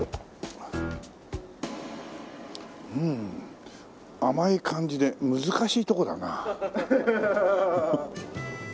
うーん甘い感じで難しいとこだなあ。